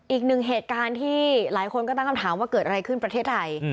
อีกหนึ่งเหตุการณ์ที่หลายคนก็ตั้งคำถามว่าเกิดอะไรขึ้นประเทศไทย